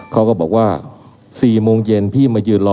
เขาก็บอกว่า๔โมงเย็นพี่มายืนรอ